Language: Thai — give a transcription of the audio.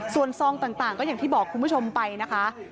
ส่วนซองต่างก็อย่างที่บอกคุณผู้ชมไปนะคะ